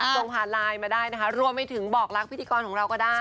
ส่งผ่านไลน์มาได้นะคะรวมไปถึงบอกรักพิธีกรของเราก็ได้